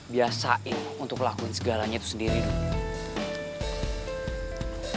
biasain untuk lakuin segalanya itu sendiri